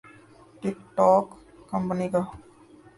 ٹک ٹوک کمپنی کا